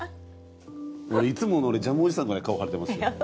いつもの俺ジャムおじさんぐらい顔腫れてますよ。